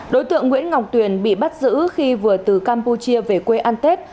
đối tượng nguyễn ngọc tuyển bị bắt giữ khi vừa từ campuchia về quê an tết